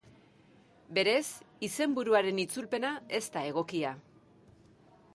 Berez, izenburuaren itzulpena ez da egokia.